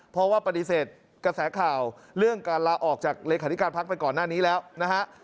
เพราะว่าปฏิเสธกระแสข่าวเรื่องการลาออกจากเลขาธิการพักไปก่อนหน้านี้แล้วนะฮะ